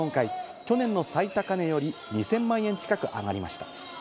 去年の最高値より２０００万円近く上がりました。